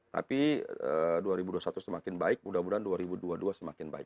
tapi dua ribu dua puluh satu semakin baik mudah mudahan dua ribu dua puluh dua semakin baik